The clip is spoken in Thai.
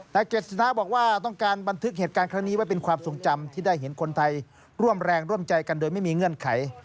แต่เกษณะบอกว่าต้องการบันทึกเหตุการณ์ครั้งนี้ไว้เป็นความทรงจำที่ได้เห็นคนไทยร่วมแรงร่วมใจกันโดยไม่มีเงื่อนไข